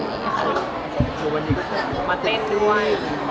คือวันนี้ก็มาเต้นด้วย